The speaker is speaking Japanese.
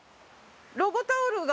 ロゴタオルが。